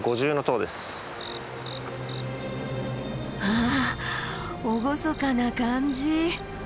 わあ厳かな感じ。